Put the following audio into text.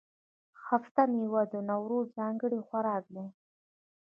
هفت میوه د نوروز ځانګړی خوراک دی.